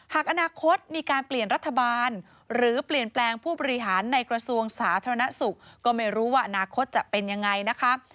หากอนาคตมีการเปลี่ยนรัฐบาลหรือเปลี่ยนแปลงผู้บริหารในกระทรวงสาธารณสุขก็ไม่รู้ว่าอนาคตจะเป็นยังไงนะคะ